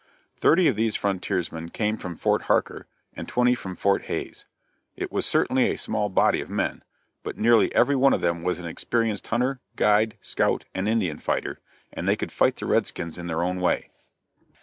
Thirty of these frontiersmen came from Fort Harker, and twenty from Fort Hays. It was certainly a small body of men, but nearly every one of them was an experienced hunter, guide, scout and Indian fighter, and they could fight the red skins in their own way.